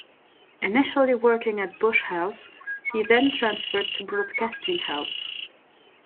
Initially working at Bush House, he then transferred to Broadcasting House.